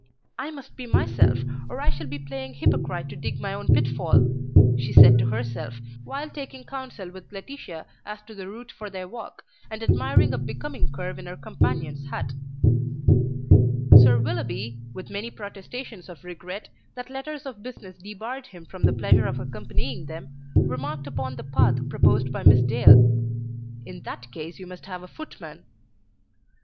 "I must be myself or I shall be playing hypocrite to dig my own pitfall," she said to herself, while taking counsel with Laetitia as to the route for their walk, and admiring a becoming curve in her companion's hat. Sir Willoughby, with many protestations of regret that letters of business debarred him from the pleasure of accompanying them, remarked upon the path proposed by Miss Dale, "In that case you must have a footman."